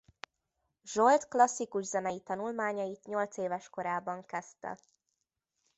Zsolt klasszikus zenei tanulmányait nyolcéves korában kezdte.